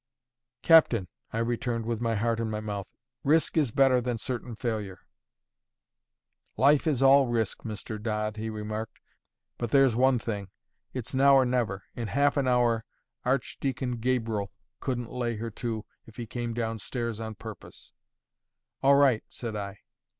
"Captain," I returned, with my heart in my mouth, "risk is better than certain failure." "Life is all risk, Mr. Dodd," he remarked. "But there's one thing: it's now or never; in half an hour, Archdeacon Gabriel couldn't lay her to, if he came down stairs on purpose." "All right," said I.